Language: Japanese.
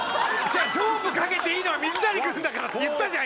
「勝負かけていいのは水谷君だから」って言ったじゃん